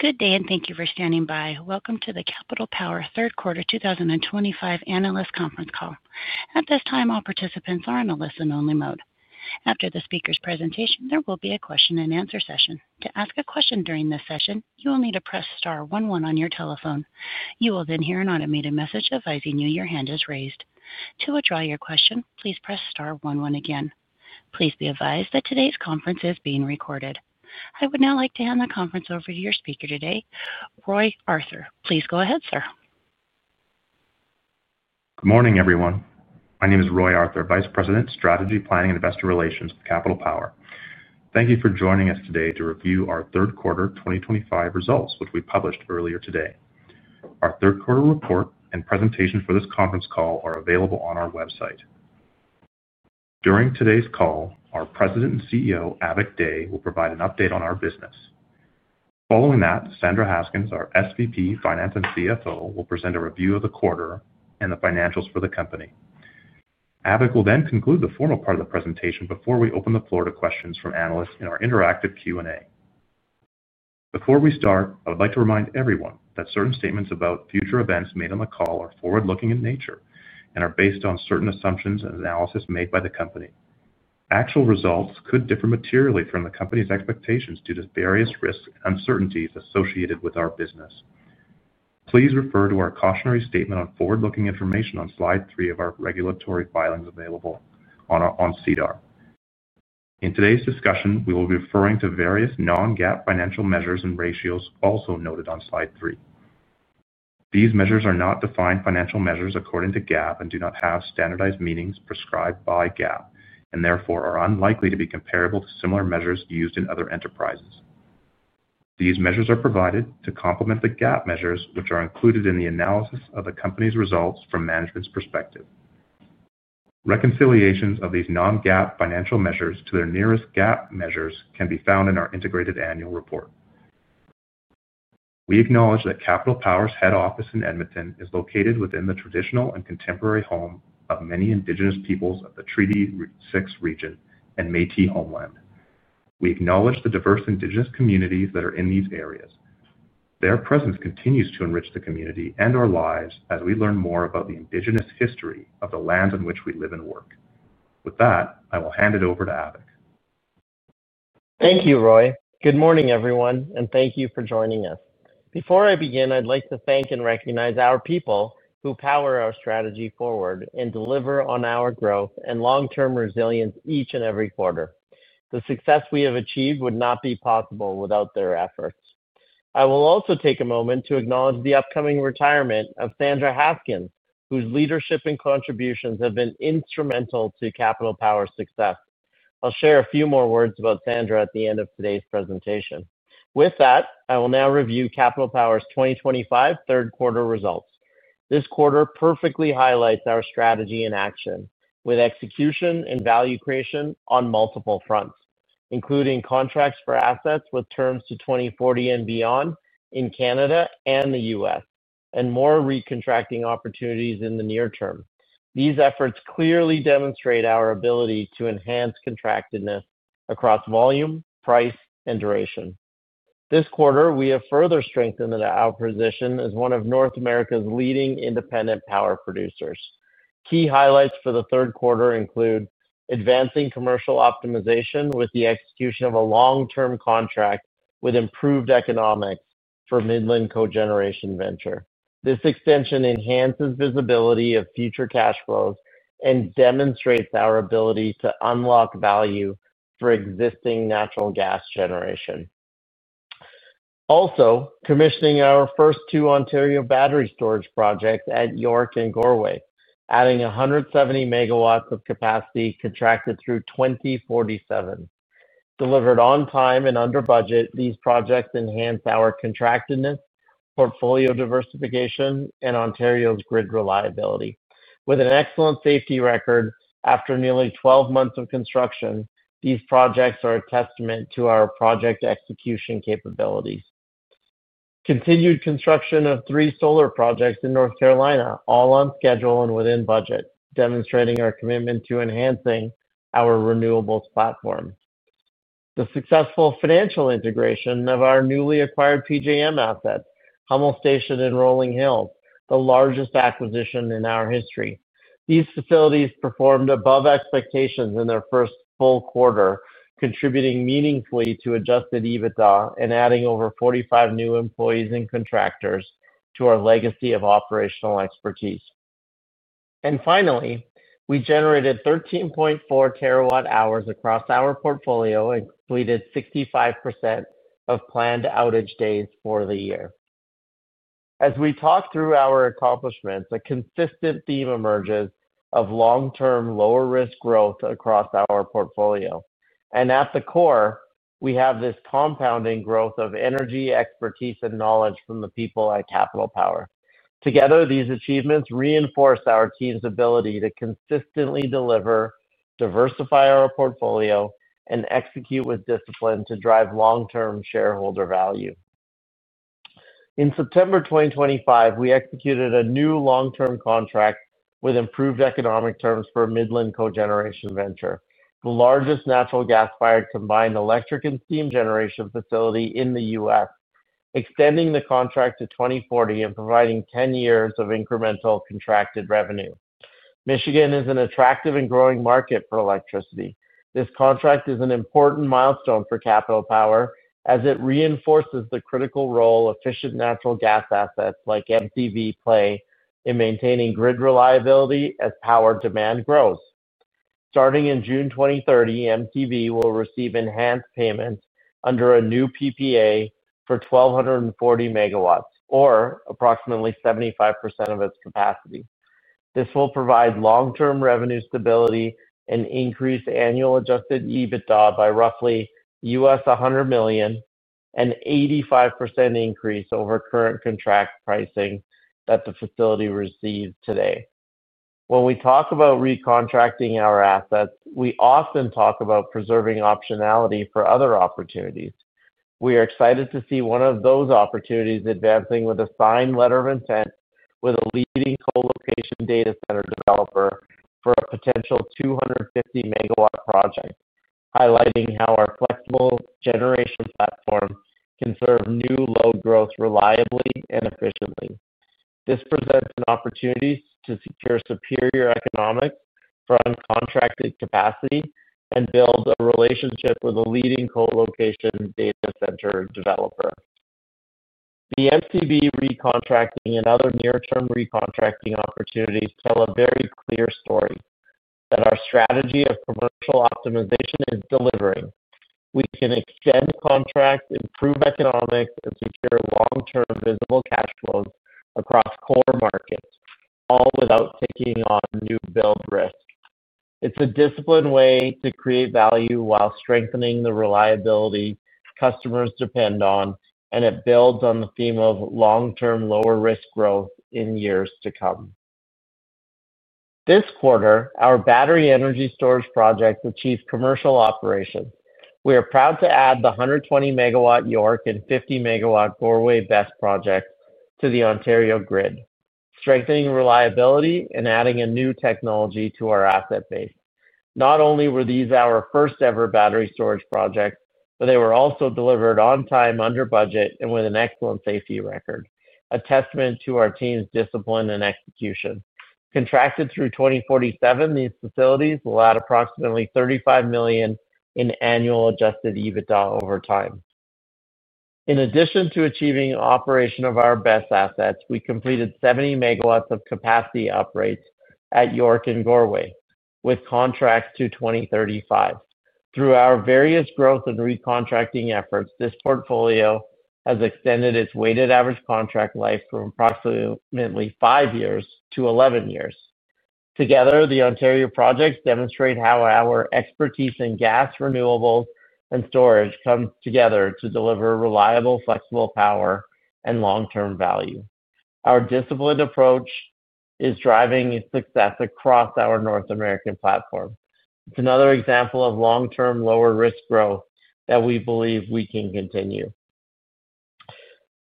Good day and thank you for standing by. Welcome to the Capital Power third quarter 2025 analyst conference call. At this time, all participants are in a listen-only mode. After the speaker's presentation, there will be a question and answer session. To ask a question during this session, you will need to press star one one on your telephone. You will then hear an automated message advising you your hand is raised. To withdraw your question, please press star one one again. Please be advised that today's conference is being recorded. I would now like to hand the conference over to your speaker today, Roy Arthur. Please go ahead, sir. Good morning, everyone. My name is Roy Arthur, Vice President, Strategy, Planning, and Investor Relations with Capital Power. Thank you for joining us today to review our third quarter 2025 results, which we published earlier today. Our third quarter report and presentation for this conference call are available on our website. During today's call, our President and CEO, Avik Dey, will provide an update on our business. Following that, Sandra Haskins, our SVP Finance and CFO, will present a review of the quarter and the financials for the company. Avik will then conclude the formal part of the presentation before we open the floor to questions from analysts in our interactive Q&A. Before we start, I would like to remind everyone that certain statements about future events made on the call are forward-looking in nature and are based on certain assumptions and analysis made by the company. Actual results could differ materially from the company's expectations due to various risks and uncertainties associated with our business. Please refer to our cautionary statement on forward-looking information on slide three of our regulatory filings available on CDAR. In today's discussion, we will be referring to various non-GAAP financial measures and ratios also noted on slide three. These measures are not defined financial measures according to GAAP and do not have standardized meanings prescribed by GAAP and therefore are unlikely to be comparable to similar measures used in other enterprises. These measures are provided to complement the GAAP measures, which are included in the analysis of the company's results from management's perspective. Reconciliations of these non-GAAP financial measures to their nearest GAAP measures can be found in our integrated annual report. We acknowledge that Capital Power's head office in Edmonton is located within the traditional and contemporary home of many Indigenous peoples of the Treaty Six Region and Métis homeland. We acknowledge the diverse Indigenous communities that are in these areas. Their presence continues to enrich the community and our lives as we learn more about the Indigenous history of the lands on which we live and work. With that, I will hand it over to Avik. Thank you, Roy. Good morning, everyone, and thank you for joining us. Before I begin, I'd like to thank and recognize our people who power our strategy forward and deliver on our growth and long-term resilience each and every quarter. The success we have achieved would not be possible without their efforts. I will also take a moment to acknowledge the upcoming retirement of Sandra Haskins, whose leadership and contributions have been instrumental to Capital Power's success. I'll share a few more words about Sandra at the end of today's presentation. With that, I will now review Capital Power's third quarter results. this quarter perfectly highlights our strategy in action with execution and value creation on multiple fronts, including contracts for assets with terms to 2040 and beyond in Canada and the U.S., and more recontracting opportunities in the near term. These efforts clearly demonstrate our ability to enhance contractedness across volume, price, and duration. This quarter, we have further strengthened our position as one of North America's leading independent power producers. Key highlights for the third quarter include advancing commercial optimization with the execution of a long-term contract with improved economics for Midland Cogeneration Venture. This extension enhances visibility of future cash flows and demonstrates our ability to unlock value for existing natural gas generation. Also, commissioning our first two Ontario battery storage projects at York and Goreway, adding 170 MW of capacity contracted through 2047. Delivered on time and under budget, these projects enhance our contractedness, portfolio diversification, and Ontario's grid reliability. With an excellent safety record after nearly 12 months of construction, these projects are a testament to our project execution capabilities. Continued construction of three solar projects in North Carolina, all on schedule and within budget, demonstrating our commitment to enhancing our renewables platform. The successful financial integration of our newly acquired PJM assets, Hummel Station and Rolling Hills, the largest acquisition in our history. These facilities performed above expectations in their first full quarter, contributing meaningfully to Adjusted EBITDA and adding over 45 new employees and contractors to our legacy of operational expertise. Finally, we generated 13.4 TW-hours across our portfolio and completed 65% of planned outage days for the year. As we talk through our accomplishments, a consistent theme emerges of long-term lower-risk growth across our portfolio. At the core, we have this compounding growth of energy, expertise, and knowledge from the people at Capital Power. Together, these achievements reinforce our team's ability to consistently deliver, diversify our portfolio, and execute with discipline to drive long-term shareholder value. In September 2025, we executed a new long-term contract with improved economic terms for Midland Cogeneration Venture, the largest natural gas-fired combined electric and steam generation facility in the U.S., extending the contract to 2040 and providing 10 years of incremental contracted revenue. Michigan is an attractive and growing market for electricity. This contract is an important milestone for Capital Power as it reinforces the critical role efficient natural gas assets like MCV play in maintaining grid reliability as power demand grows. Starting in June 2030, MCV will receive enhanced payments under a new PPA for 1,240 MW or approximately 75% of its capacity. This will provide long-term revenue stability and increase annual Adjusted EBITDA by roughly $100 million and an 85% increase over current contract pricing that the facility receives today. When we talk about recontracting our assets, we often talk about preserving optionality for other opportunities. We are excited to see one of those opportunities advancing with a signed letter of intent with a leading co-location data center developer for a potential 250-MW project, highlighting how our flexible generation platform can serve new load growth reliably and efficiently. This presents an opportunity to secure superior economics from contracted capacity and build a relationship with a leading co-location data center developer. The MCV recontracting and other near-term recontracting opportunities tell a very clear story that our strategy of commercial optimization is delivering. We can extend contracts, improve economics, and secure long-term visible cash flows across core markets, all without taking on new build risk. It is a disciplined way to create value while strengthening the reliability customers depend on, and it builds on the theme of long-term lower-risk growth in years to come. This quarter, our battery energy storage projects achieve commercial operations. We are proud to add the 120-MW York and 50-MW Goreway battery storage projects to the Ontario grid, strengthening reliability and adding a new technology to our asset base. Not only were these our first-ever battery storage projects, but they were also delivered on time, under budget, and with an excellent safety record, a testament to our team's discipline and execution. Contracted through 2047, these facilities will add approximately $35 million in annual Adjusted EBITDA over time. In addition to achieving operation of our battery storage assets, we completed 70 MW of capacity upgrades at York and Goreway with contracts to 2035. Through our various growth and recontracting efforts, this portfolio has extended its weighted average contract life from approximately five years11 years. Together, the Ontario projects demonstrate how our expertise in gas, renewables, and storage comes together to deliver reliable, flexible power and long-term value. Our disciplined approach is driving success across our North American platform. It's another example of long-term lower-risk growth that we believe we can continue.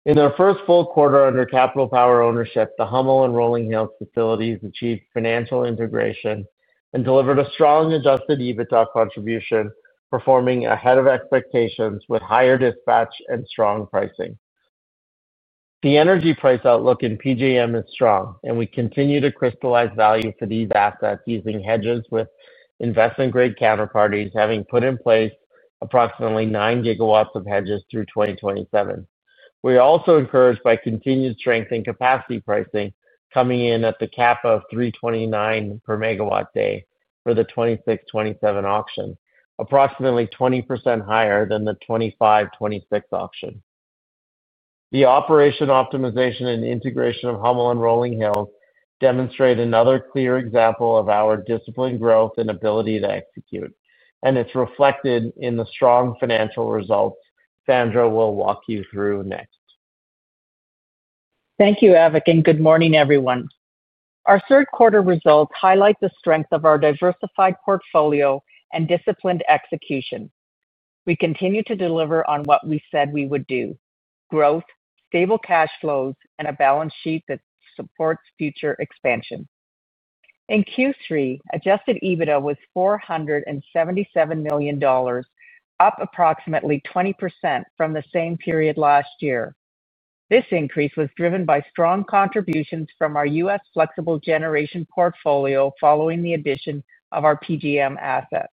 In their first full quarter under Capital Power ownership, the Hummel Station and Rolling Hills facilities achieved financial integration and delivered a strong Adjusted EBITDA contribution, performing ahead of expectations with higher dispatch and strong pricing. The energy price outlook in the PJM market is strong, and we continue to crystallize value for these assets using hedges with investment-grade counterparties, having put in place approximately 9 GW of hedges through 2027. We are also encouraged by continued strength in capacity pricing coming in at the cap of $329 per megawatt day for the 2026/2027 auction, approximately 20% higher than the 2025/2026 auction. The operation optimization and integration of Hummel Station and Rolling Hills demonstrate another clear example of our disciplined growth and ability to execute, and it's reflected in the strong financial results Sandra will walk you through next. Thank you, Avik, and good morning, everyone. Our third quarter results highlight the strength of our diversified portfolio and disciplined execution. We continue to deliver on what we said we would do: growth, stable cash flows, and a balance sheet that supports future expansion. In Q3, Adjusted EBITDA was $477 million, up approximately 20% from the same period last year. This increase was driven by strong contributions from our U.S. flexible generation portfolio following the addition of our PJM assets.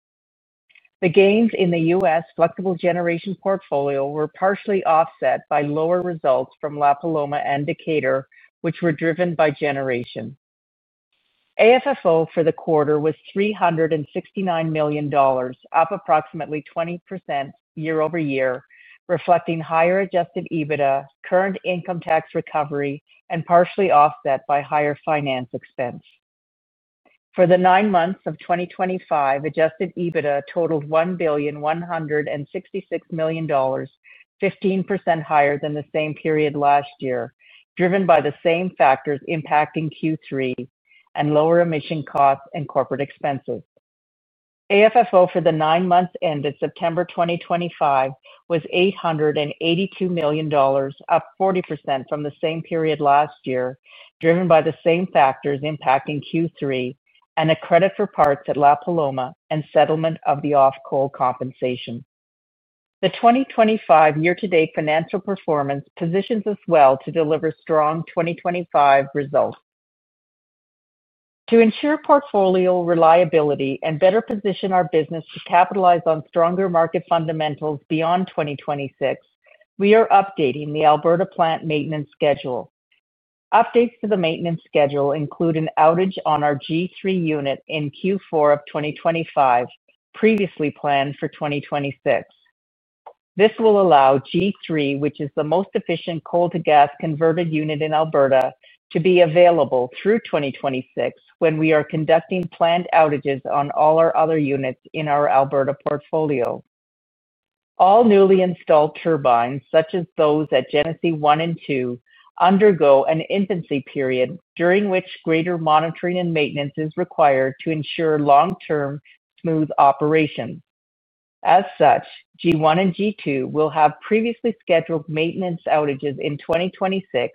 The gains in the U.S. flexible generation portfolio were partially offset by lower results from La Paloma and Decatur, which were driven by generation. AFFO for the quarter was $369 million, up approximately 20% year-over-year, reflecting higher Adjusted EBITDA, current income tax recovery, and partially offset by higher finance expense. For the nine months of 2025, Adjusted EBITDA totaled $1,166 million, 15% higher than the same period last year, driven by the same factors impacting Q3 and lower emission costs and corporate expenses. AFFO for the nine months ended September 2025 was $882 million, up 40% from the same period last year, driven by the same factors impacting Q3 and a credit for parts at La Paloma and settlement of the off-call compensation. The 2025 year-to-date financial performance positions us well to deliver strong 2025 results. To ensure portfolio reliability and better position our business to capitalize on stronger market fundamentals beyond 2026, we are updating the Alberta plant maintenance schedule. Updates to the maintenance schedule include an outage on our G3 unit in Q4 of 2025, previously planned for 2026. This will allow G3, which is the most efficient coal-to-gas converted unit in Alberta, to be available through 2026 when we are conducting planned outages on all our other units in our Alberta portfolio. All newly installed turbines, such as those at Genesee 1 and 2, undergo an infancy period during which greater monitoring and maintenance is required to ensure long-term smooth operations. As such, G1 and G2 will have previously scheduled maintenance outages in 2026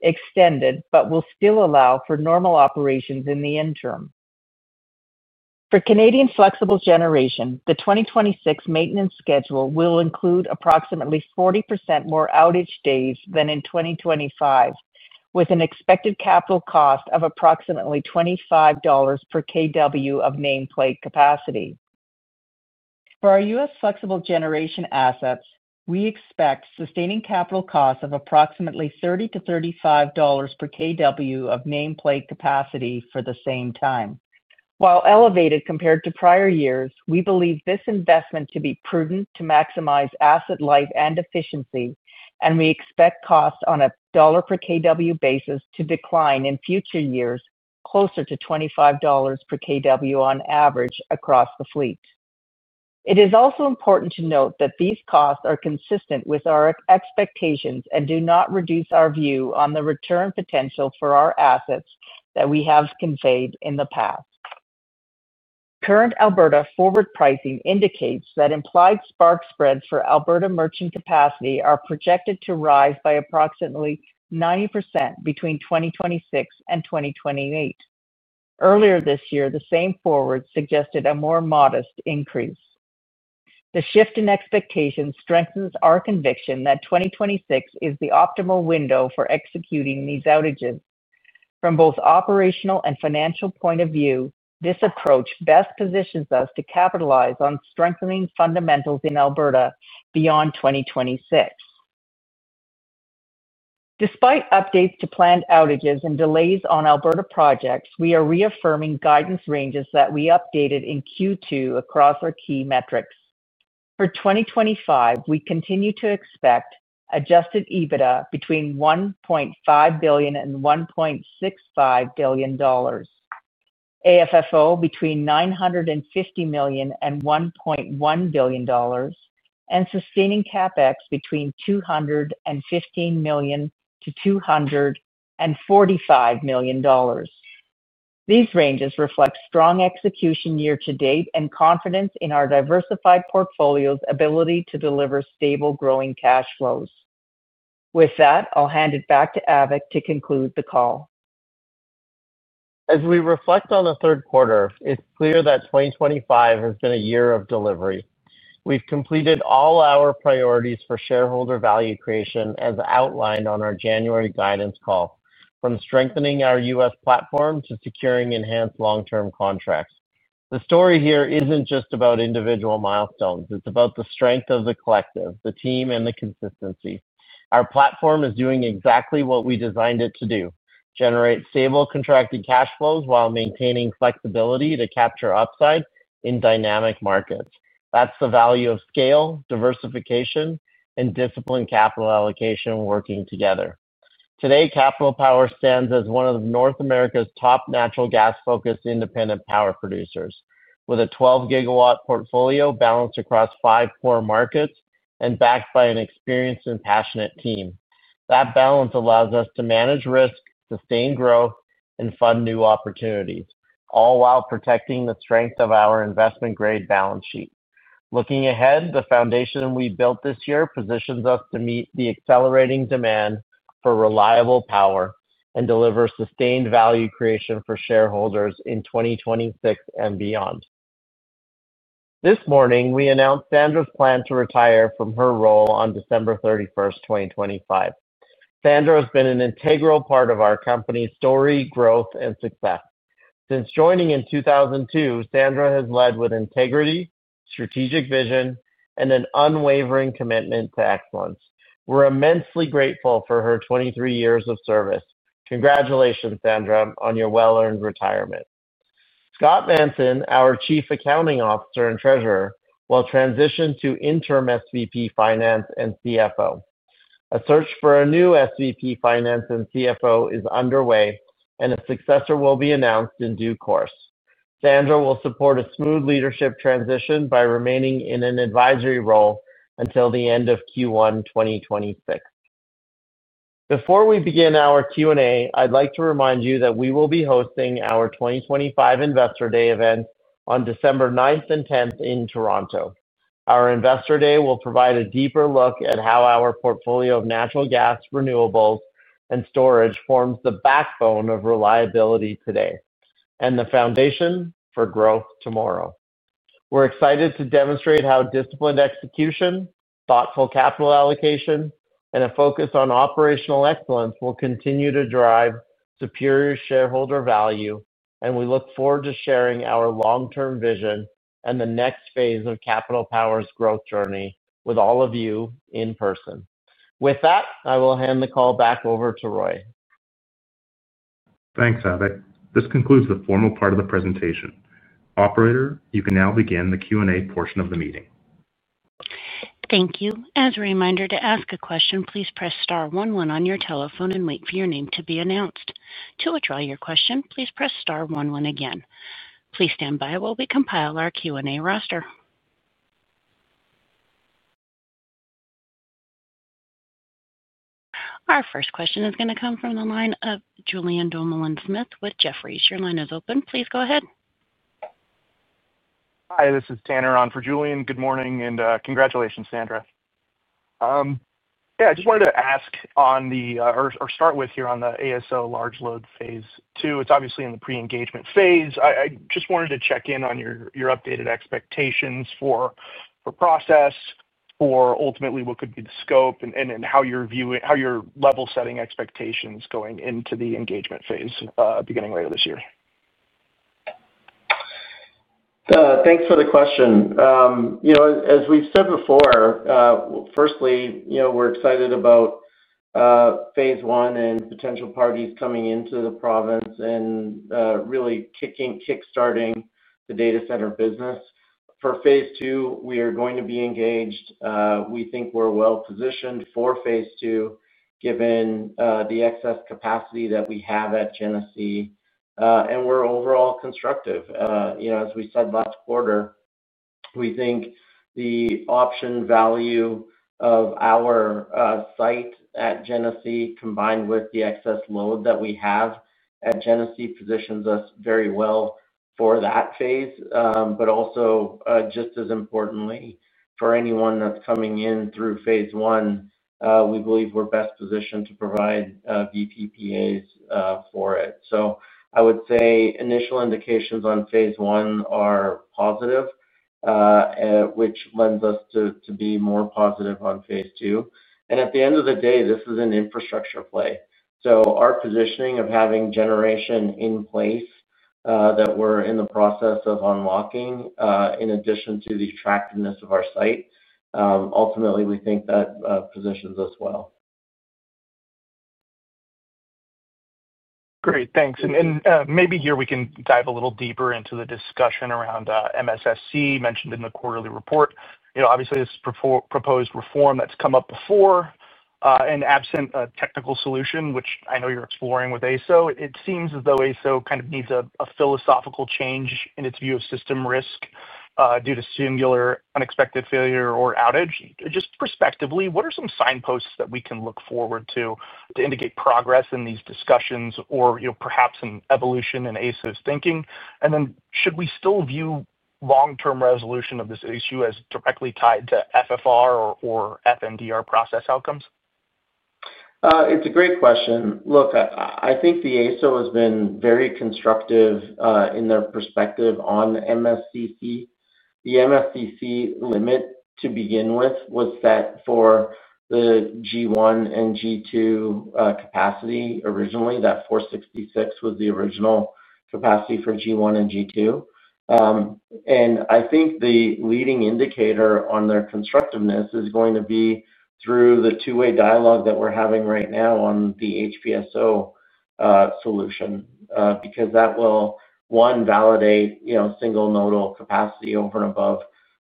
extended but will still allow for normal operations in the interim. For Canadian flexible generation, the 2026 maintenance schedule will include approximately 40% more outage days than in 2025, with an expected capital cost of approximately $25 per kW of nameplate capacity. For our U.S. flexible generation assets, we expect sustaining capital costs of approximately $30-$35 per kW of nameplate capacity for the same time. While elevated compared to prior years, we believe this investment to be prudent to maximize asset life and efficiency, and we expect costs on a dollar per kW basis to decline in future years, closer to $25 per kW on average across the fleet. It is also important to note that these costs are consistent with our expectations and do not reduce our view on the return potential for our assets that we have conveyed in the past. Current Alberta forward pricing indicates that implied spark spreads for Alberta merchant capacity are projected to rise by approximately 90% between 2026 and 2028. Earlier this year, the same forwards suggested a more modest increase. The shift in expectations strengthens our conviction that 2026 is the optimal window for executing these outages. From both operational and financial point of view, this approach best positions us to capitalize on strengthening fundamentals in Alberta beyond 2026. Despite updates to planned outages and delays on Alberta projects, we are reaffirming guidance ranges that we updated in Q2 across our key metrics. For 2025, we continue to expect Adjusted EBITDA between $1.5 billion and $1.65 billion, AFFO between $950 million and $1.1 billion, and sustaining CapEx between $215 million-$245 million. These ranges reflect strong execution year to date and confidence in our diversified portfolio's ability to deliver stable growing cash flows. With that, I'll hand it back to Avik to conclude the call. As we reflect on the third quarter, it's clear that 2025 has been a year of delivery. We've completed all our priorities for shareholder value creation as outlined on our January guidance call, from strengthening our U.S. platform to securing enhanced long-term contracts. The story here isn't just about individual milestones, it's about the strength of the collective, the team, and the consistency. Our platform is doing exactly what we designed it to do: generate stable contracted cash flows while maintaining flexibility to capture upside in dynamic markets. That's the value of scale, diversification, and disciplined capital allocation working together. Today, Capital Power stands as one of North America's top natural gas-focused independent power producers, with a 12-GW portfolio balanced across five core markets and backed by an experienced and passionate team. That balance allows us to manage risk, sustain growth, and fund new opportunities, all while protecting the strength of our investment-grade balance sheet. Looking ahead, the foundation we built this year positions us to meet the accelerating demand for reliable power and deliver sustained value creation for shareholders in 2026 and beyond. This morning, we announced Sandra's plan to retire from her role on December 31st, 2025. Sandra has been an integral part of our company's story, growth, and success. Since joining in 2002, Sandra has led with integrity, strategic vision, and an unwavering commitment to excellence. We're immensely grateful for her 23 years of service. Congratulations, Sandra, on your well-earned retirement. Scott Manson, our Chief Accounting Officer and Treasurer, will transition to Interim SVP Finance and CFO. A search for a new SVP Finance and CFO is underway, and a successor will be announced in due course. Sandra will support a smooth leadership transition by remaining in an advisory role until the end of Q1 2026. Before we begin our Q&A, I'd like to remind you that we will be hosting our 2025 Investor Day event on December 9th and 10th in Toronto. Our Investor Day will provide a deeper look at how our portfolio of natural gas, renewables, and storage forms the backbone of reliability today and the foundation for growth tomorrow. We're excited to demonstrate how disciplined execution, thoughtful capital allocation, and a focus on operational excellence will continue to drive superior shareholder value, and we look forward to sharing our long-term vision and the next phase of Capital Power's growth journey with all of you in person. With that, I will hand the call back over to Roy. Thanks, Avik. This concludes the formal part of the presentation. Operator, you can now begin the Q&A portion of the meeting. Thank you. As a reminder, to ask a question, please press star one one on your telephone and wait for your name to be announced. To withdraw your question, please press star one one again. Please stand by while we compile our Q&A roster. Our first question is going to come from the line of Julian Doolan Smith with Jefferies. Your line is open. Please go ahead. Hi, this is Tanner on for Julian. Good morning and congratulations, Sandra. I just wanted to ask on the AESO large load Phase II. It's obviously in the pre-engagement phase. I just wanted to check in on your updated expectations for process, for ultimately what could be the scope and how you're viewing how you're level setting expectations going into the engagement phase beginning later this year. Thanks for the question. As we've said before, firstly, we're excited about Phase I and potential parties coming into the province and really kickstarting the data center business. For Phase II, we are going to be engaged. We think we're well-positioned for Phase II given the excess capacity that we have at Genesee and we're overall constructive. As we said last quarter, we think the option value of our site at Genesee, combined with the excess load that we have at Genesee, positions us very well for that phase. Also, just as importantly, for anyone that's coming in through Phase I, we believe we're best positioned to provide VPPAs for it. I would say initial indications on Phase I are positive, which lends us to be more positive on Phase II. At the end of the day, this is an infrastructure play. Our positioning of having generation in place that we're in the process of unlocking, in addition to the attractiveness of our site, ultimately, we think that positions us well. Great, thanks. Maybe here we can dive a little deeper into the discussion around MSSC mentioned in the quarterly report. Obviously, this proposed reform has come up before and absent a technical solution, which I know you're exploring with AESO, it seems as though AESO kind of needs a philosophical change in its view of system risk due to singular unexpected failure or outage. Just perspectively, what are some signposts that we can look forward to indicate progress in these discussions or perhaps an evolution in AESO's thinking? Should we still view long-term resolution of this issue as directly tied to FFR or FNDR process outcomes? It's a great question. Look, I think the AESO has been very constructive in their perspective on the MSCC. The MSCC limit to begin with was set for the G1 and G2 capacity originally. That 466 was the original capacity for G1 and G2. I think the leading indicator on their constructiveness is going to be through the two-way dialogue that we're having right now on the HPSO solution because that will, one, validate single nodal capacity over and above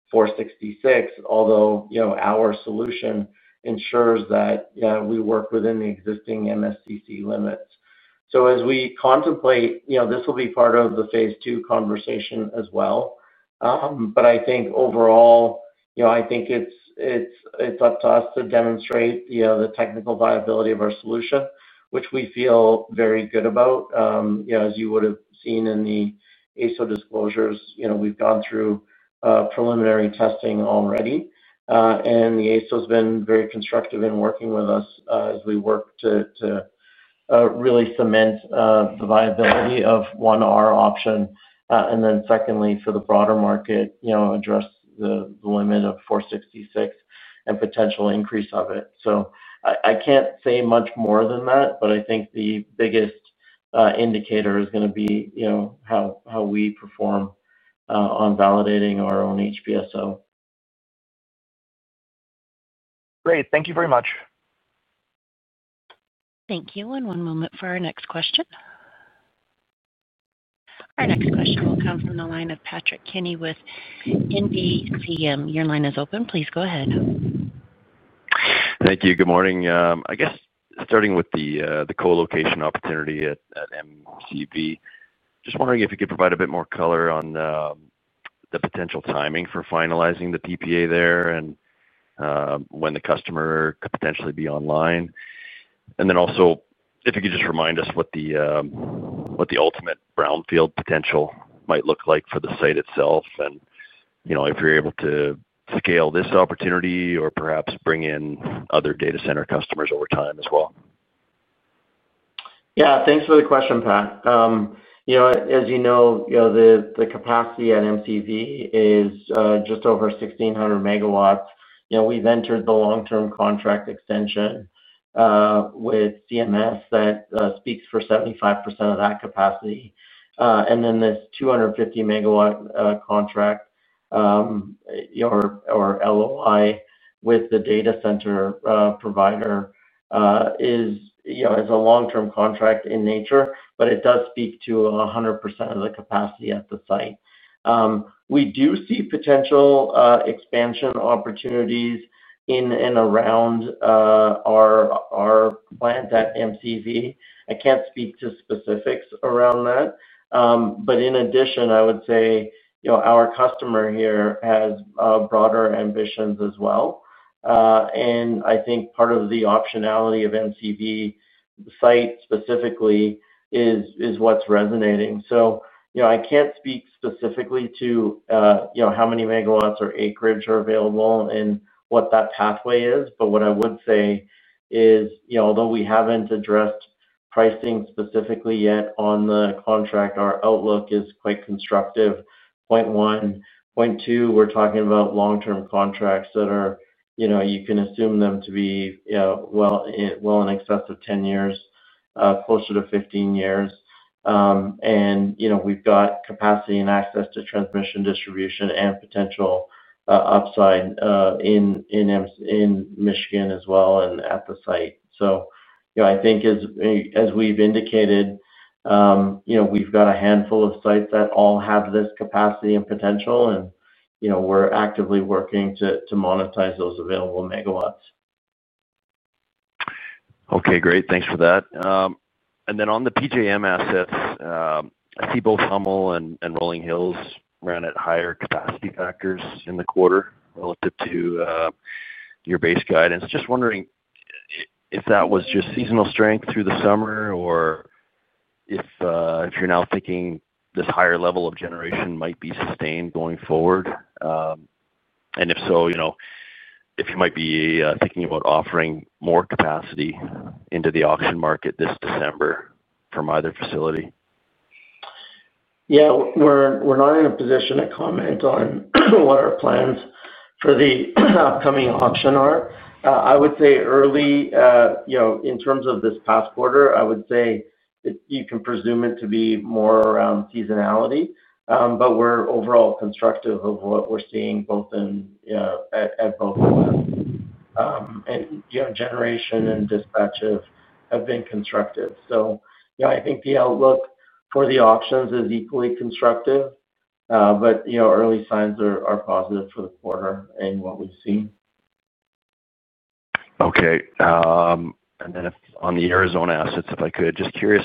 466, although our solution ensures that we work within the existing MSCC limits. As we contemplate, this will be part of the Phase II conversation as well. I think overall, I think it's up to us to demonstrate the technical viability of our solution, which we feel very good about. As you would have seen in the AESO disclosures, we've gone through preliminary testing already, and the AESO has been very constructive in working with us as we work to really cement the viability of one R option. Secondly, for the broader market, address the limit of 466 and potential increase of it. I can't say much more than that, but I think the biggest indicator is going to be how we perform on validating our own HPSO. Great, thank you very much. Thank you. One moment for our next question. Our next question will come from the line of Patrick Kenny with NBF. Your line is open. Please go ahead. Thank you. Good morning. I guess starting with the co-location opportunity at MCV, just wondering if you could provide a bit more color on the potential timing for finalizing the PPA there and when the customer could potentially be online. Also, if you could just remind us what the ultimate brownfield potential might look like for the site itself and if you're able to scale this opportunity or perhaps bring in other data center customers over time as well. Yeah, thanks for the question, Pat. As you know, the capacity at MCV is just over 1,600 MW. We've entered the long-term contract extension with CMS that speaks for 75% of that capacity. This 250-MW contract or LOI with the data center provider is a long-term contract in nature, but it does speak to 100% of the capacity at the site. We do see potential expansion opportunities in and around our plant at MCV. I can't speak to specifics around that. In addition, I would say our customer here has broader ambitions as well. I think part of the optionality of MCV site specifically is what's resonating. I can't speak specifically to how many megawatts or acreage are available and what that pathway is. What I would say is, although we haven't addressed pricing specifically yet on the contract, our outlook is quite constructive. Point one. Point two, we're talking about long-term contracts that are, you can assume them to be well in excess of 10 years, closer to 15 years. We've got capacity and access to transmission distribution and potential upside in Michigan as well and at the site. I think as we've indicated, we've got a handful of sites that all have this capacity and potential, and we're actively working to monetize those available megawatts. Okay, great. Thanks for that. On the PJM assets, I see both Hummel and Rolling Hills ran at higher capacity factors in the quarter relative to your base guidance. Just wondering if that was just seasonal strength through the summer or if you're now thinking this higher level of generation might be sustained going forward. If so, you know if you might be thinking about offering more capacity into the auction market this December from either facility. Yeah, we're not in a position to comment on what our plans for the upcoming auction are. I would say early, in terms of this past quarter, you can presume it to be more around seasonality. We're overall constructive of what we're seeing at both of them. Generation and dispatch have been constructive. I think the outlook for the auctions is equally constructive. Early signs are positive for the quarter and what we've seen. Okay. On the Arizona assets, if I could, just curious,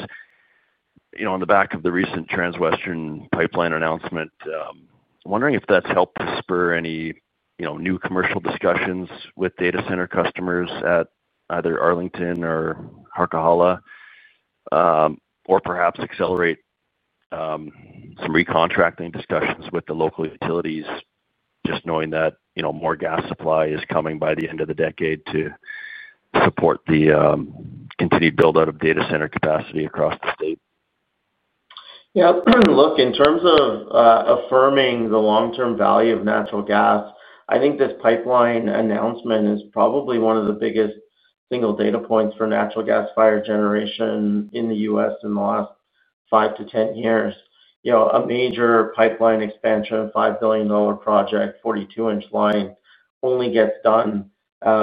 on the back of the recent Transwestern pipeline announcement, I'm wondering if that's helped to spur any new commercial discussions with data center customers at either Arlington or Harquahala, or perhaps accelerate some recontracting discussions with the local utilities, just knowing that more gas supply is coming by the end of the decade to support the continued build-out of data center capacity across the state. Yeah, look, in terms of affirming the long-term value of natural gas, I think this pipeline announcement is probably one of the biggest single data points for natural gas-fired generation in the U.S. in the last 5-10 years. A major pipeline expansion, a $5 billion project, 42-inch line, only gets done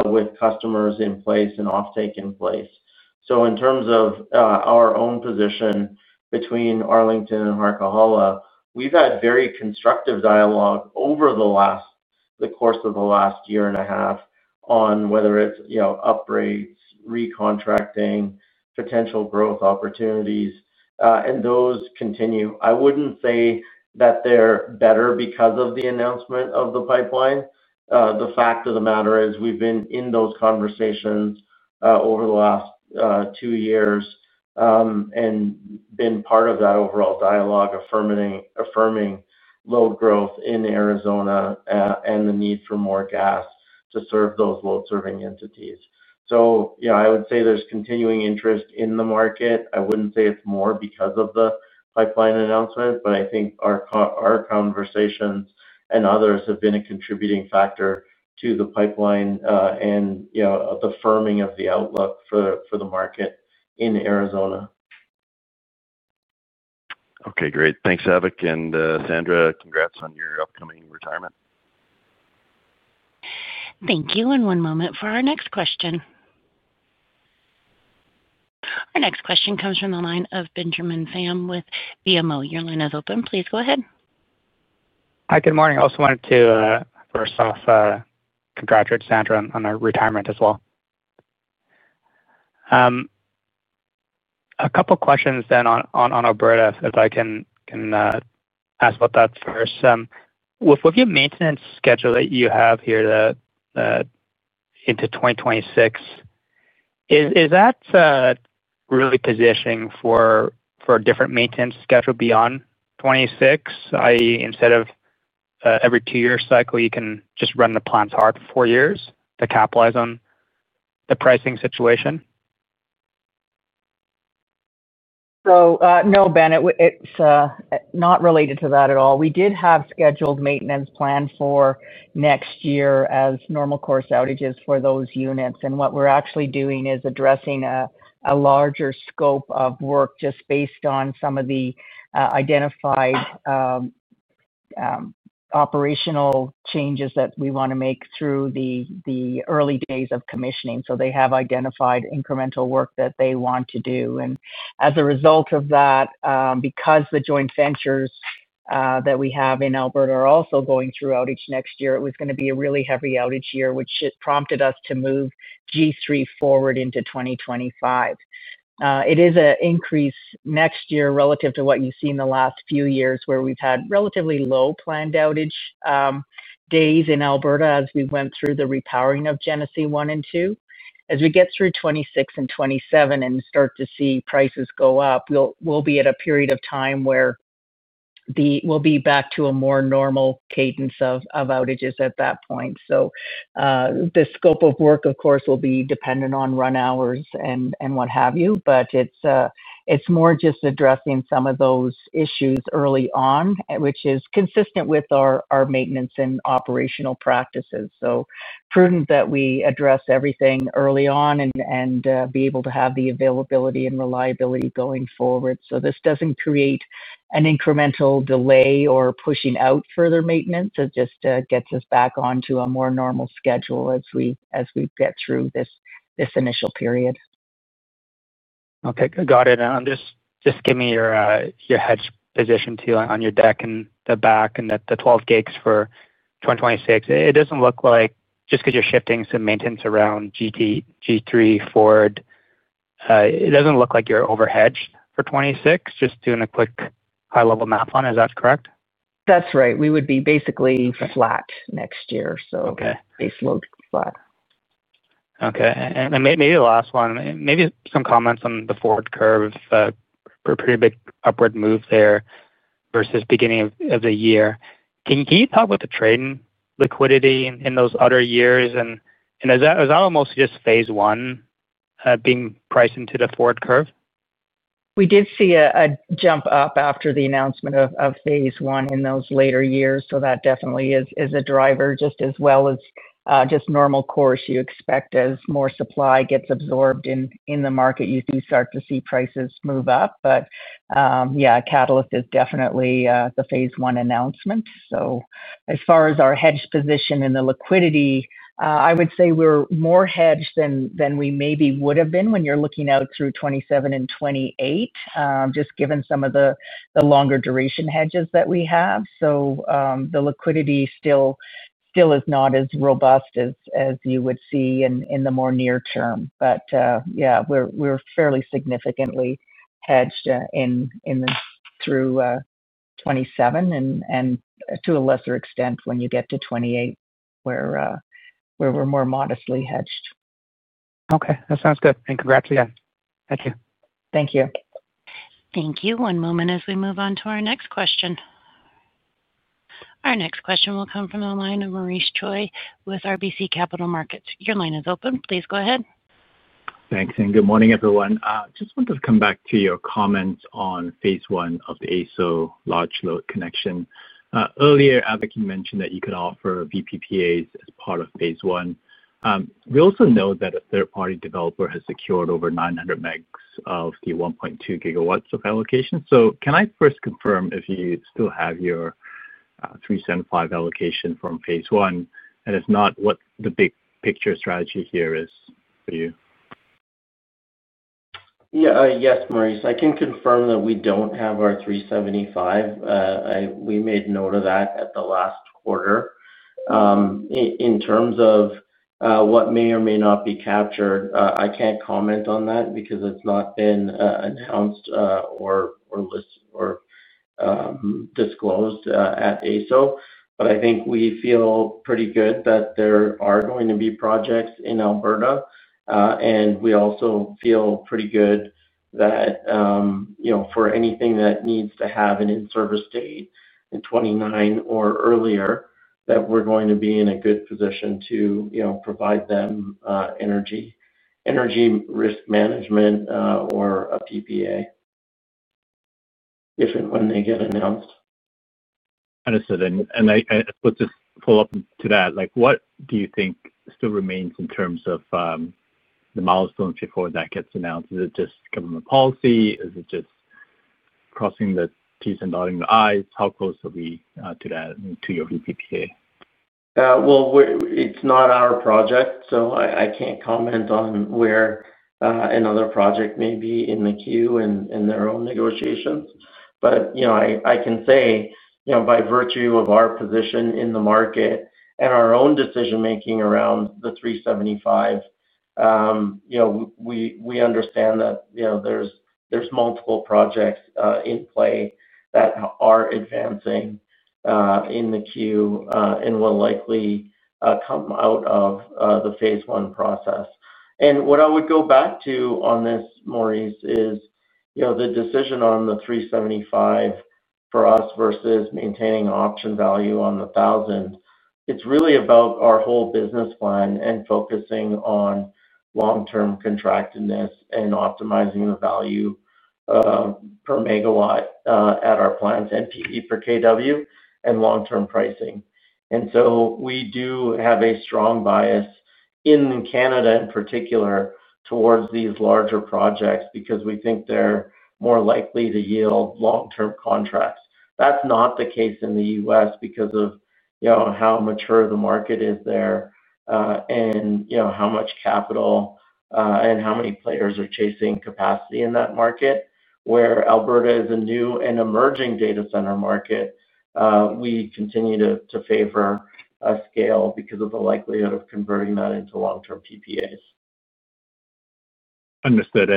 with customers in place and off-take in place. In terms of our own position between Arlington and Harcahulla, we've had very constructive dialogue over the course of the last year and a half on whether it's upgrades, recontracting, potential growth opportunities, and those continue. I wouldn't say that they're better because of the announcement of the pipeline. The fact of the matter is we've been in those conversations over the last two years and been part of that overall dialogue affirming load growth in Arizona and the need for more gas to serve those load-serving entities. I would say there's continuing interest in the market. I wouldn't say it's more because of the pipeline announcement, but I think our conversations and others have been a contributing factor to the pipeline and the firming of the outlook for the market in Arizona. Okay, great. Thanks, Avik. Sandra, congrats on your upcoming retirement. Thank you. One moment for our next question. Our next question comes from the line of Benjamin Pham with BMO. Your line is open. Please go ahead. Hi, good morning. I also wanted to, first off, congratulate Sandra on her retirement as well. A couple of questions then on Alberta, if I can ask about that first. With your maintenance schedule that you have here into 2026, is that really positioning for a different maintenance schedule beyond 2026? Instead of every two-year cycle, you can just run the plants hard for four years to capitalize on the pricing situation? No, Ben, it's not related to that at all. We did have scheduled maintenance planned for next year as normal course outages for those units. What we're actually doing is addressing a larger scope of work just based on some of the identified operational changes that we want to make through the early days of commissioning. They have identified incremental work that they want to do. As a result of that, because the joint ventures that we have in Alberta are also going through outage next year, it was going to be a really heavy outage year, which prompted us to move G3 forward into 2025. It is an increase next year relative to what you've seen the last few years where we've had relatively low planned outage days in Alberta as we went through the repowering of Genesee 1 and 2. As we get through 2026 and 2027 and start to see prices go up, we'll be at a period of time where we'll be back to a more normal cadence of outages at that point. The scope of work, of course, will be dependent on run hours and what have you, but it's more just addressing some of those issues early on, which is consistent with our maintenance and operational practices. It's prudent that we address everything early on and be able to have the availability and reliability going forward so this doesn't create an incremental delay or push out further maintenance. It just gets us back onto a more normal schedule as we get through this initial period. Okay, got it. Just give me your hedge position too on your deck in the back and at the 12 gigs for 2026. It doesn't look like just because you're shifting some maintenance around G3, Ford, it doesn't look like you're overhedged for 2026, just doing a quick high-level map on. Is that correct? That's right. We would be basically flat next year, so baseload flat. Okay. Maybe the last one, maybe some comments on the forward curve, a pretty big upward move there versus the beginning of the year. Can you talk about the trade and liquidity in those other years? Is that almost just Phase I being priced into the forward curve? We did see a jump up after the announcement of Phase I in those later years. That definitely is a driver just as well as just normal course you expect as more supply gets absorbed in the market. You do start to see prices move up. A catalyst is definitely the Phase I announcement. As far as our hedge position in the liquidity, I would say we're more hedged than we maybe would have been when you're looking out through 2027 and 2028, just given some of the longer duration hedges that we have. The liquidity still is not as robust as you would see in the more near term. We're fairly significantly hedged in through 2027 and to a lesser extent when you get to 2028, where we're more modestly hedged. Okay, that sounds good. Congrats again. Thank you. Thank you. Thank you. One moment as we move on to our next question. Our next question will come from the line of Maurice Choy with RBC Capital Markets. Your line is open. Please go ahead. Thanks. Good morning, everyone. I just wanted to come back to your comments on Phase I of the AESO large load connection. Earlier, Avik, you mentioned that you could offer VPPAs as part of Phase I. We also know that a third-party developer has secured over 900 MW of the 1.2 GW of allocation. Can I first confirm if you still have your 375 MW allocation from Phase I? If not, what the big picture strategy here is for you? Yes, Maurice. I can confirm that we don't have our $375 million. We made note of that at the last quarter. In terms of what may or may not be captured, I can't comment on that because it's not been announced or disclosed at AESO. I think we feel pretty good that there are going to be projects in Alberta. We also feel pretty good that, for anything that needs to have an in-service date in 2029 or earlier, we're going to be in a good position to provide them energy risk management or a PPA if and when they get announced. Understood. I suppose just to follow up to that, what do you think still remains in terms of the milestones before that gets announced? Is it just government policy? Is it just crossing the T's and dotting the I's? How close are we to that and to your VPPA? It's not our project, so I can't comment on where another project may be in the queue and their own negotiations. I can say, by virtue of our position in the market and our own decision-making around the $375, we understand that there are multiple projects in play that are advancing in the queue and will likely come out of the Phase I process. What I would go back to on this, Maurice, is the decision on the $375 for us versus maintaining option value on the $1,000. It's really about our whole business plan and focusing on long-term contractedness and optimizing the value per megawatt at our plants and PV per KW and long-term pricing. We do have a strong bias in Canada in particular towards these larger projects because we think they're more likely to yield long-term contracts. That's not the case in the U.S. because of how mature the market is there and how much capital and how many players are chasing capacity in that market. Where Alberta is a new and emerging data center market, we continue to favor scale because of the likelihood of converting that into long-term PPAs. Understood.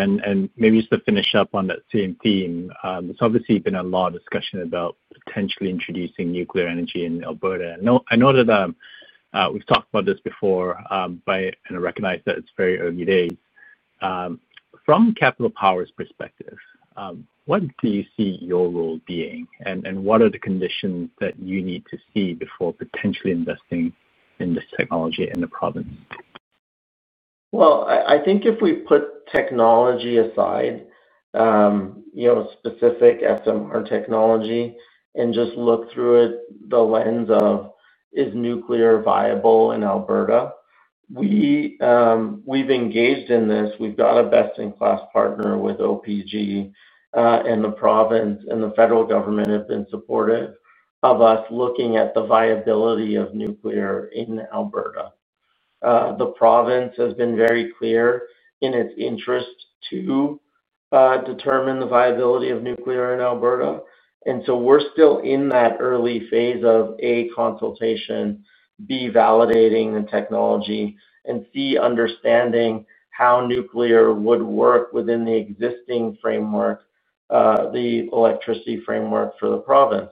Maybe just to finish up on that same theme, there's obviously been a lot of discussion about potentially introducing nuclear energy in Alberta. I know that we've talked about this before, but I recognize that it's very early days. From Capital Power's perspective, what do you see your role being and what are the conditions that you need to see before potentially investing in this technology in the province? I think if we put technology aside, you know, specific SMR technology, and just look through it the lens of is nuclear viable in Alberta? We've engaged in this. We've got a best-in-class partner with OPG, and the province and the federal government have been supportive of us looking at the viability of nuclear in Alberta. The province has been very clear in its interest to determine the viability of nuclear in Alberta. We're still in that early phase of A, consultation, B, validating the technology, and C, understanding how nuclear would work within the existing framework, the electricity framework for the province.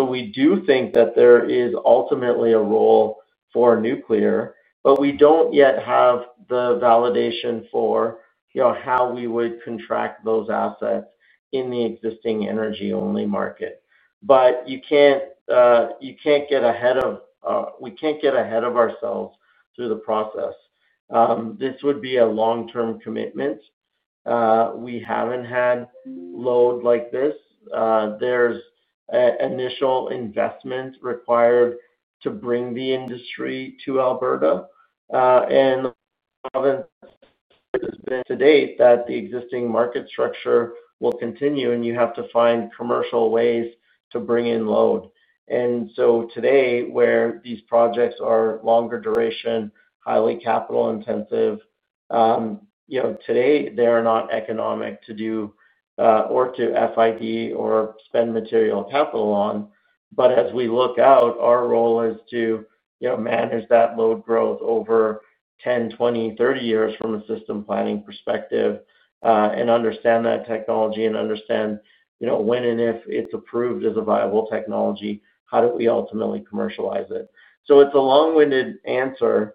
We do think that there is ultimately a role for nuclear, but we don't yet have the validation for, you know, how we would contract those assets in the existing energy-only market. You can't get ahead of, we can't get ahead of ourselves through the process. This would be a long-term commitment. We haven't had load like this. There's initial investment required to bring the industry to Alberta. The province has been to date that the existing market structure will continue, and you have to find commercial ways to bring in load. Where these projects are longer duration, highly capital-intensive, you know, today they are not economic to do or to FID or spend material capital on. As we look out, our role is to, you know, manage that load growth over 10, 20, 30 years from a system planning perspective and understand that technology and understand, you know, when and if it's approved as a viable technology, how do we ultimately commercialize it? It's a long-winded answer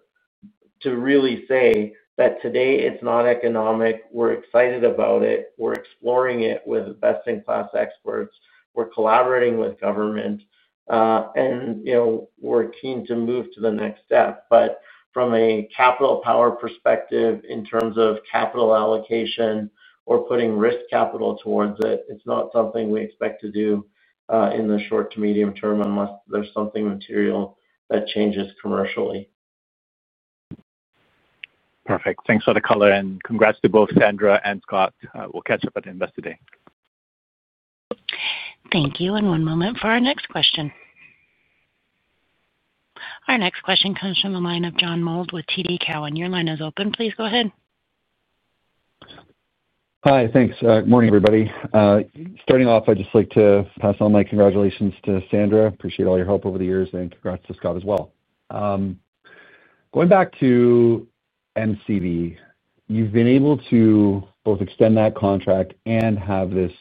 to really say that today it's not economic. We're excited about it. We're exploring it with best-in-class experts. We're collaborating with government. You know, we're keen to move to the next step. From a Capital Power perspective, in terms of capital allocation or putting risk capital towards it, it's not something we expect to do in the short to medium term unless there's something material that changes commercially. Perfect. Thanks for the color and congrats to both Sandra and Scott. We'll catch up at Investor Day. Thank you. One moment for our next question. Our next question comes from the line of John Mould with TD Cowen. Your line is open. Please go ahead. Hi, thanks. Good morning, everybody. Starting off, I'd just like to pass on my congratulations to Sandra. Appreciate all your help over the years, and congrats to Scott as well. Going back to MCV, you've been able to both extend that contract and have this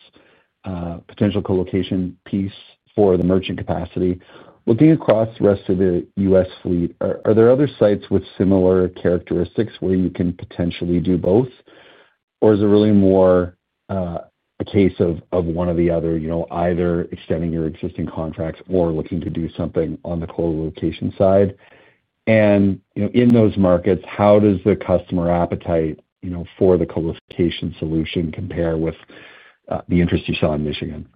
potential co-location piece for the merchant capacity. Looking across the rest of the U.S. fleet, are there other sites with similar characteristics where you can potentially do both? Is it really more a case of one or the other, you know, either extending your existing contracts or looking to do something on the co-location side? In those markets, how does the customer appetite for the co-location solution compare with the interest you saw in Michigan?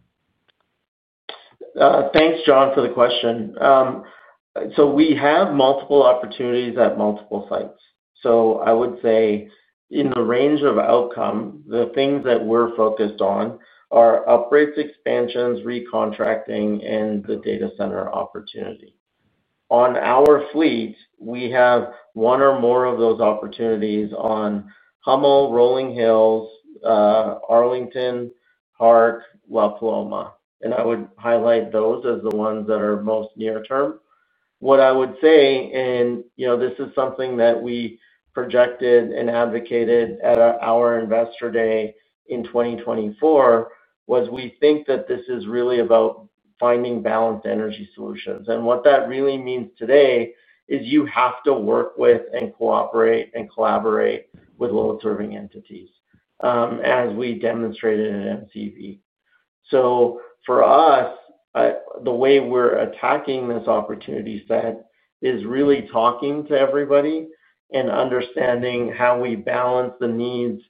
Thanks, John, for the question. We have multiple opportunities at multiple sites. I would say in the range of outcome, the things that we're focused on are upgrades, expansions, recontracting, and the data center opportunity. On our fleet, we have one or more of those opportunities on Hummel, Rolling Hills, Arlington, Park, La Paloma. I would highlight those as the ones that are most near term. What I would say, and this is something that we projected and advocated at our Investor Day in 2024, is we think that this is really about finding balanced energy solutions. What that really means today is you have to work with and cooperate and collaborate with load-serving entities, as we demonstrated at MCV. For us, the way we're attacking this opportunity set is really talking to everybody and understanding how we balance the needs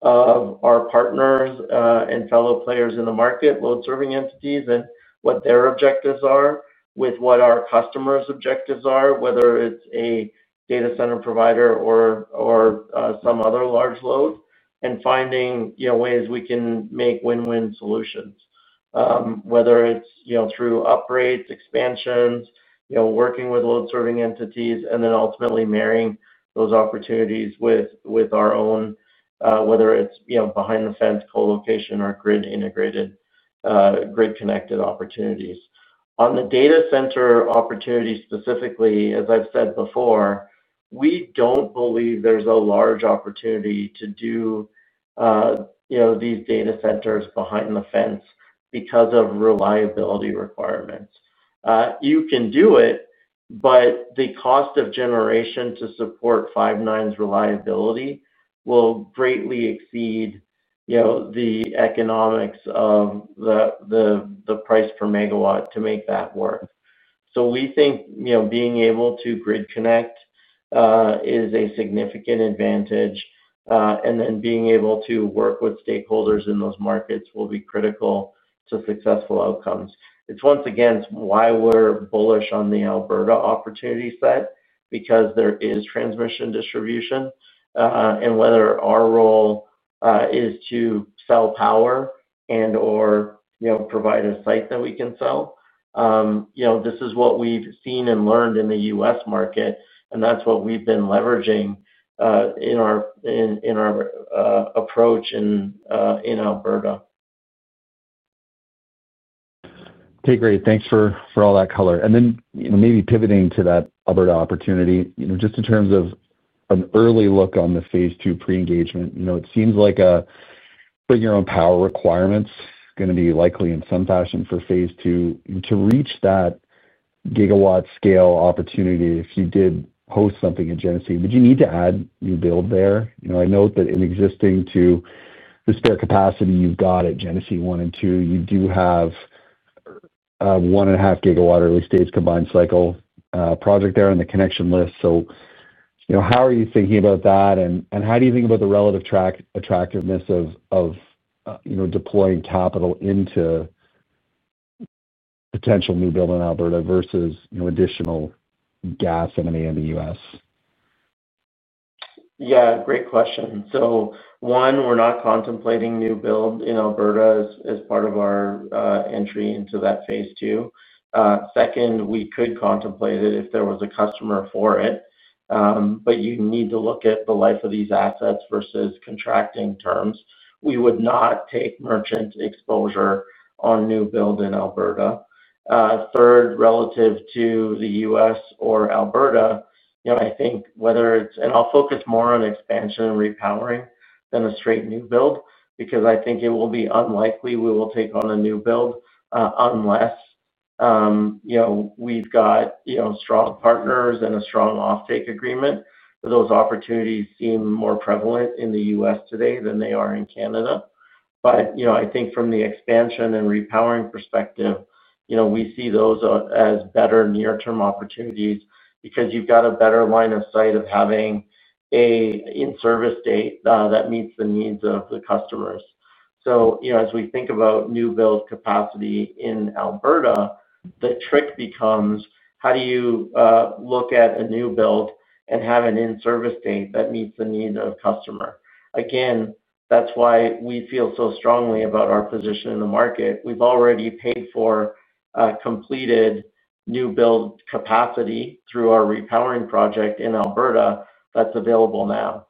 of our partners and fellow players in the market, load-serving entities, and what their objectives are with what our customers' objectives are, whether it's a data center provider or some other large load, and finding ways we can make win-win solutions, whether it's through upgrades, expansions, working with load-serving entities, and ultimately marrying those opportunities with our own, whether it's behind-the-fence co-location or grid-integrated, grid-connected opportunities. On the data center opportunity specifically, as I've said before, we don't believe there's a large opportunity to do these data centers behind the fence because of reliability requirements. You can do it, but the cost of generation to support five-nines reliability will greatly exceed the economics of the price per megawatt to make that work. We think being able to grid connect is a significant advantage. Being able to work with stakeholders in those markets will be critical to successful outcomes. It's once again why we're bullish on the Alberta opportunity set because there is transmission distribution. Whether our role is to sell power and/or provide a site that we can sell, this is what we've seen and learned in the U.S. market, and that's what we've been leveraging in our approach in Alberta. Okay, great. Thanks for all that color. Maybe pivoting to that Alberta opportunity, just in terms of an early look on the Phase II pre-engagement, it seems like putting your own power requirements is going to be likely in some fashion for Phase II. To reach that gigawatt scale opportunity, if you did host something in Genesee, would you need to add new build there? I note that in addition to the spare capacity you've got at Genesee 1 and 2, you do have a 1.5 GW early stage combined cycle project there in the connection list. How are you thinking about that? How do you think about the relative attractiveness of deploying capital into potential new build in Alberta versus additional gas and M&A in the U.S.? Yeah, great question. One, we're not contemplating new build in Alberta as part of our entry into that Phase II. Second, we could contemplate it if there was a customer for it, but you need to look at the life of these assets versus contracting terms. We would not take merchant exposure on new build in Alberta. Third, relative to the U.S. or Alberta, I think whether it's, and I'll focus more on expansion and repowering than a straight new build because I think it will be unlikely we will take on a new build unless we've got strong partners and a strong off-take agreement. Those opportunities seem more prevalent in the U.S. today than they are in Canada. I think from the expansion and repowering perspective, we see those as better near-term opportunities because you've got a better line of sight of having an in-service date that meets the needs of the customers. As we think about new build capacity in Alberta, the trick becomes how do you look at a new build and have an in-service date that meets the needs of the customer? That's why we feel so strongly about our position in the market. We've already paid for completed new build capacity through our repowering project in Alberta that's available now,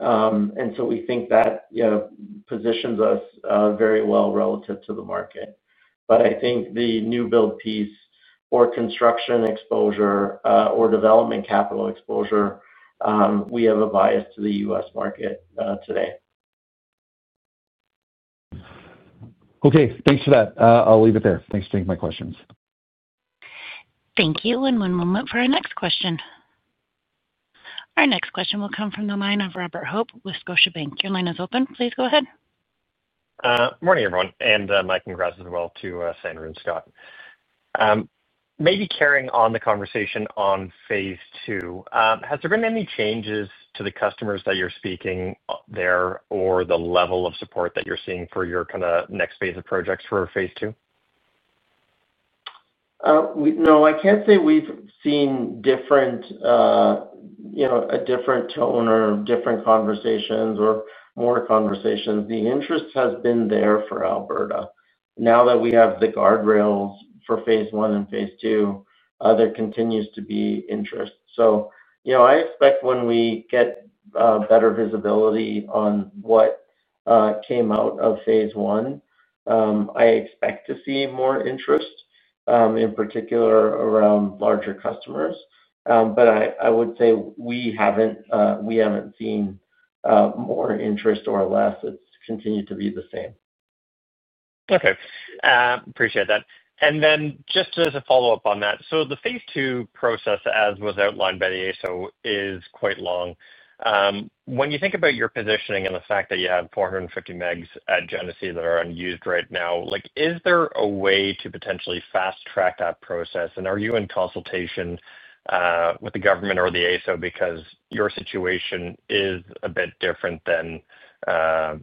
and we think that positions us very well relative to the market. I think the new build piece or construction exposure or development capital exposure, we have a bias to the U.S. market today. Okay, thanks for that. I'll leave it there. Thanks for taking my questions. Thank you. One moment for our next question. Our next question will come from the line of Robert Hope with Scotiabank. Your line is open. Please go ahead. Morning, everyone. My congrats as well to Sandra and Scott. Maybe carrying on the conversation on Phase II, has there been any changes to the customers that you're speaking to there or the level of support that you're seeing for your kind of next phase of projects for Phase II? No, I can't say we've seen a different tone or different conversations or more conversations. The interest has been there for Alberta. Now that we have the guardrails for Phase I and Phase II, there continues to be interest. I expect when we get better visibility on what came out of Phase I, I expect to see more interest, in particular around larger customers. I would say we haven't seen more interest or less. It's continued to be the same. Okay. Appreciate that. Just as a follow-up on that, the Phase II process, as was outlined by the AESO, is quite long. When you think about your positioning and the fact that you have 450 MW at Genesee that are unused right now, is there a way to potentially fast-track that process? Are you in consultation with the government or the AESO because your situation is a bit different than a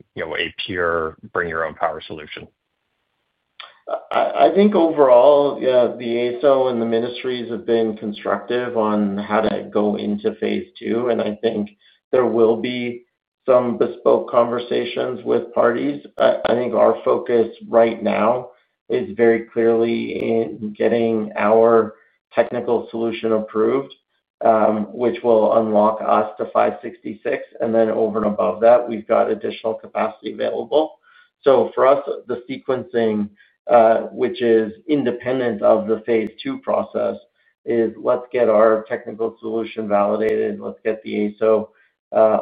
pure bring-your-own-power solution? I think overall, the AESO and the ministries have been constructive on how to go into Phase II. I think there will be some bespoke conversations with parties. I think our focus right now is very clearly in getting our technical solution approved, which will unlock us to 566. Over and above that, we've got additional capacity available. For us, the sequencing, which is independent of the Phase II process, is let's get our technical solution validated. Let's get the AESO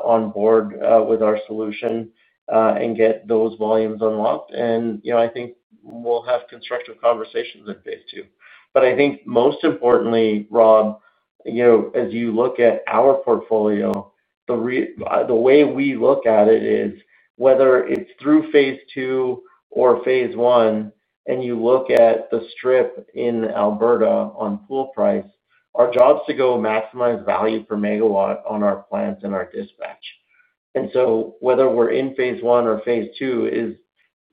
on board with our solution and get those volumes unlocked. I think we'll have constructive conversations in Phase II. Most importantly, Rob, as you look at our portfolio, the way we look at it is whether it's through Phase II or Phase I, and you look at the strip in Alberta on pool price, our job is to go maximize value per megawatt on our plants and our dispatch. Whether we're in Phase I or Phase II is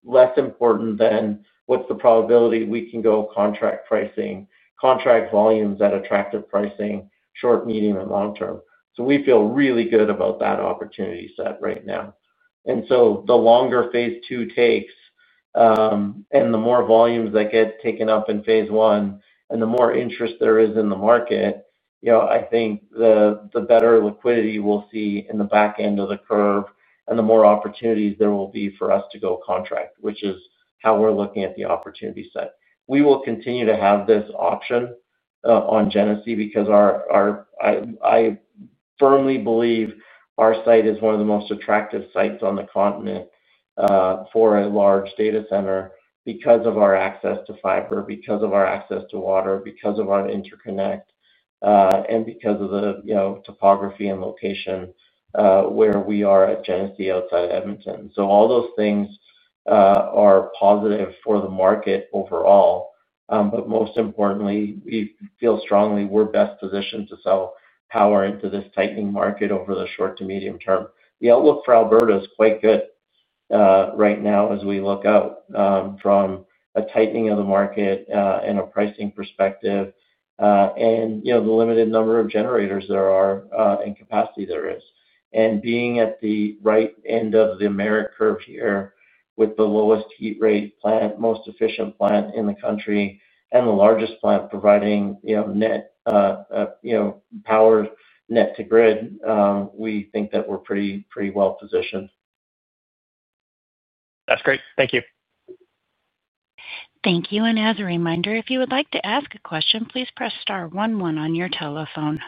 less important than what's the probability we can go contract pricing, contract volumes at attractive pricing, short, medium, and long-term. We feel really good about that opportunity set right now. The longer Phase II takes and the more volumes that get taken up in Phase I and the more interest there is in the market, I think the better liquidity we'll see in the back end of the curve and the more opportunities there will be for us to go contract, which is how we're looking at the opportunity set. We will continue to have this option on Genesee because I firmly believe our site is one of the most attractive sites on the continent for a large data center because of our access to fiber, because of our access to water, because of our interconnect, and because of the topography and location where we are at Genesee outside Edmonton. All those things are positive for the market overall. Most importantly, we feel strongly we're best positioned to sell power into this tightening market over the short to medium term. The outlook for Alberta is quite good right now as we look out from a tightening of the market and a pricing perspective and the limited number of generators there are and capacity there is. Being at the right end of the merit curve here with the lowest heat rate plant, most efficient plant in the country, and the largest plant providing net power net to grid, we think that we're pretty well-positioned. That's great. Thank you. Thank you. As a reminder, if you would like to ask a question, please press star one one on your telephone.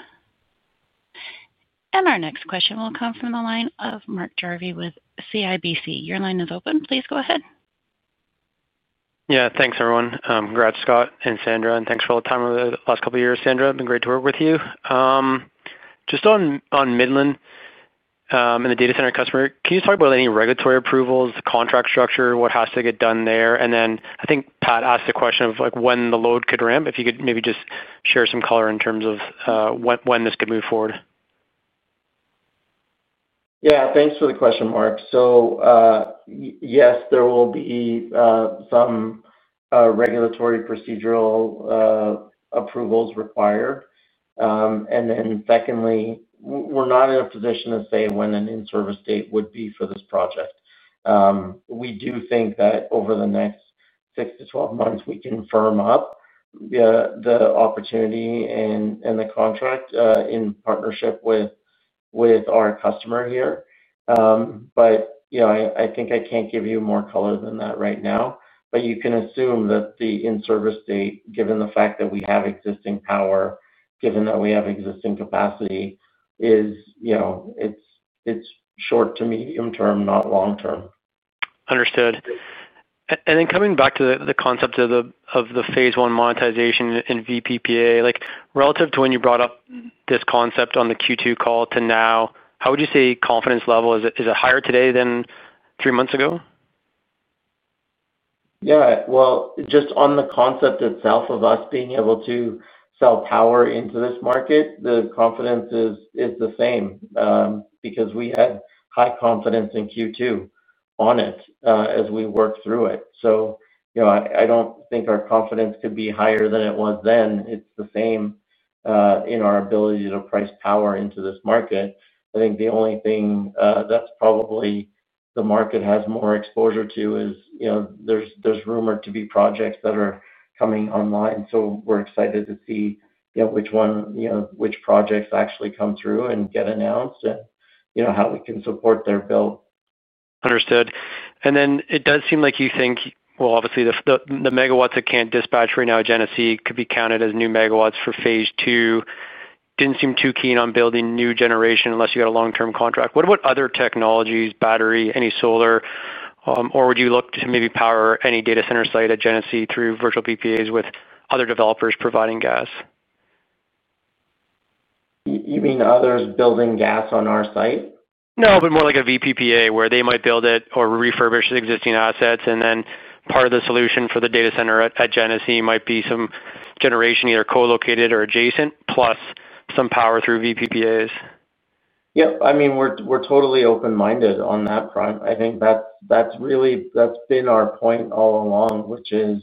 Our next question will come from the line of Mark Jarvi with CIBC. Your line is open. Please go ahead. Yeah, thanks, everyone. Congrats, Scott and Sandra, and thanks for all the time over the last couple of years, Sandra. It's been great to work with you. Just on Midland and the data center customer, can you talk about any regulatory approvals, the contract structure, what has to get done there? I think Pat asked a question of like when the load could ramp. If you could maybe just share some color in terms of when this could move forward. Yeah, thanks for the question, Mark. Yes, there will be some regulatory procedural approvals required. We're not in a position to say when an in-service date would be for this project. We do think that over the next 6 to 12 months, we can firm up the opportunity and the contract in partnership with our customer here. I can't give you more color than that right now. You can assume that the in-service date, given the fact that we have existing power, given that we have existing capacity, is short to medium term, not long term. Understood. Coming back to the concept of the Phase I monetization and VPPA, relative to when you brought up this concept on the Q2 call to now, how would you say confidence level is? Is it higher today than three months ago? On the concept itself of us being able to sell power into this market, the confidence is the same because we had high confidence in Q2 on it as we work through it. I don't think our confidence could be higher than it was then. It's the same in our ability to price power into this market. I think the only thing that's probably the market has more exposure to is there's rumor to be projects that are coming online. We're excited to see which projects actually come through and get announced and how we can support their build. Understood. It does seem like you think, obviously, the megawatts that can't dispatch right now at Genesee could be counted as new megawatts for Phase II. you didn't seem too keen on building new generation unless you had a long-term contract. What about other technologies, battery, any solar? Would you look to maybe power any data center site at Genesee through virtual VPAs with other developers providing gas? You mean others building gas on our site? No, but more like a VPPA where they might build it or refurbish existing assets. Part of the solution for the data center at Genesee might be some generation either co-located or adjacent, plus some power through VPPAs. Yep. I mean, we're totally open-minded on that front. I think that's really been our point all along, which is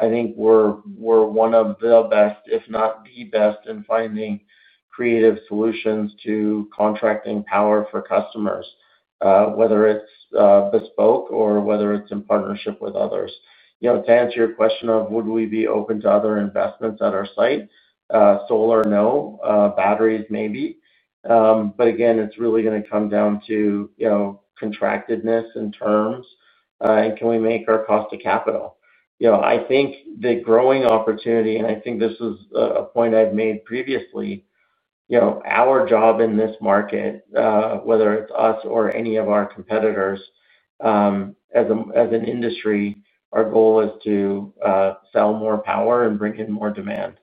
I think we're one of the best, if not the best, in finding creative solutions to contracting power for customers, whether it's bespoke or whether it's in partnership with others. To answer your question of would we be open to other investments at our site, solar, no. Batteries, maybe. Again, it's really going to come down to contractedness and terms, and can we make our cost of capital? I think the growing opportunity, and I think this is a point I've made previously, our job in this market, whether it's us or any of our competitors, as an industry, our goal is to sell more power and bring in more demand.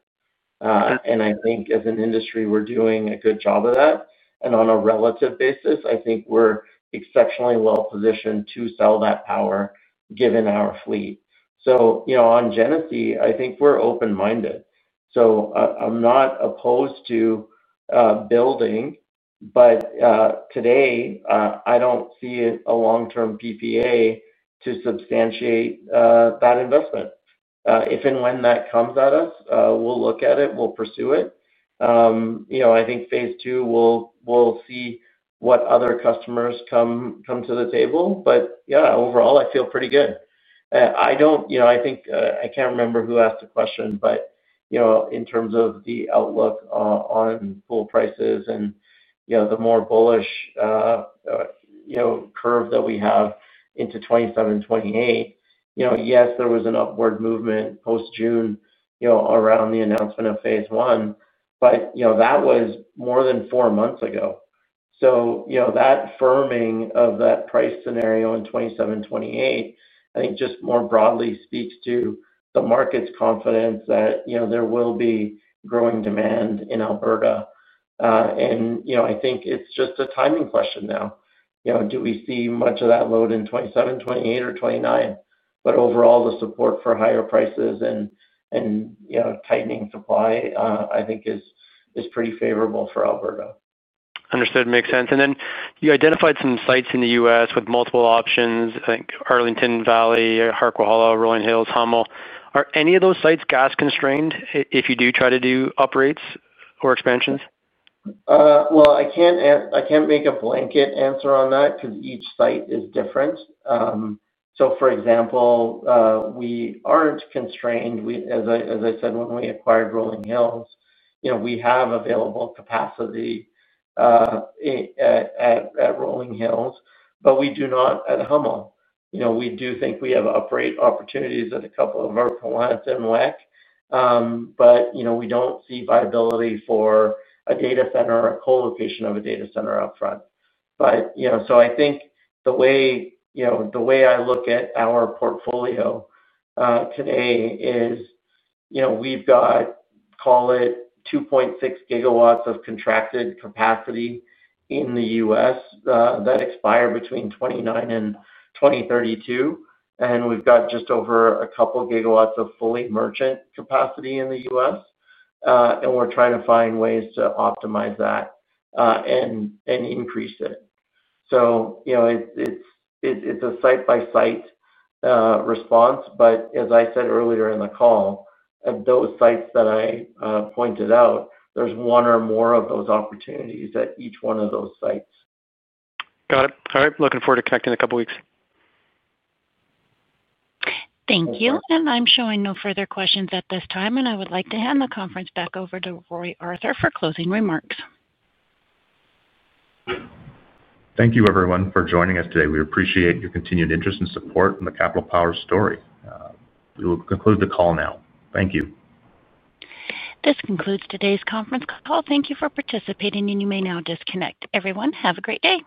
I think as an industry, we're doing a good job of that. On a relative basis, I think we're exceptionally well-positioned to sell that power given our fleet. On Genesee, I think we're open-minded. I'm not opposed to building, but today, I don't see a long-term PPA to substantiate that investment. If and when that comes at us, we'll look at it. We'll pursue it. I think Phase II, we'll see what other customers come to the table. Overall, I feel pretty good. I can't remember who asked the question, but in terms of the outlook on pool prices and the more bullish curve that we have into 2027, 2028, yes, there was an upward movement post-June, around the announcement of Phase I, but that was more than four months ago. That firming of that price scenario in 2027, 2028, I think just more broadly speaks to the market's confidence that there will be growing demand in Alberta. I think it's just a timing question now. Do we see much of that load in 2027, 2028, or 2029? Overall, the support for higher prices and tightening supply, I think, is pretty favorable for Alberta. Understood. Makes sense. You identified some sites in the U.S. with multiple options. I think Arlington Valley, Harquahala, Rolling Hills, Hummel. Are any of those sites gas-constrained if you do try to do upgrades or expansions? I can't make a blanket answer on that because each site is different. For example, we aren't constrained. As I said, when we acquired Rolling Hills, we have available capacity at Rolling Hills, but we do not at Hummel. We do think we have upgrade opportunities at a couple of our plants in WEC. We don't see viability for a data center or a co-location of a data center upfront. I think the way I look at our portfolio today is we've got, call it, 2.6 gigawatts of contracted capacity in the U.S. that expire between 2029 and 2032, and we've got just over a couple gigawatts of fully merchant capacity in the U.S. We're trying to find ways to optimize that and increase it. It's a site-by-site response. As I said earlier in the call, at those sites that I pointed out, there's one or more of those opportunities at each one of those sites. Got it. All right, looking forward to connecting in a couple of weeks. Thank you. I'm showing no further questions at this time. I would like to hand the conference back over to Roy Arthur for closing remarks. Thank you, everyone, for joining us today. We appreciate your continued interest and support in the Capital Power story. We will conclude the call now. Thank you. This concludes today's conference call. Thank you for participating, and you may now disconnect. Everyone, have a great day.